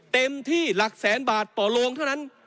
เต็มที่หลักแสนบาทต่อโรงเท่านั้น